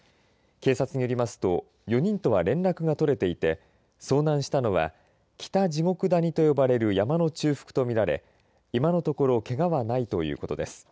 警察によりますと４人とは連絡が取れていて遭難したのは北地獄谷と呼ばれる山の中腹と見られ今のところけがはないということです。